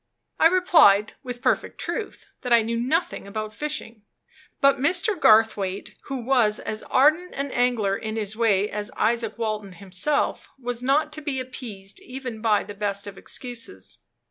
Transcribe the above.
I replied, with perfect truth, that I knew nothing about fishing. But Mr. Garthwaite, who was as ardent an angler in his way as Izaak Walton himself, was not to be appeased even by the best of excuses.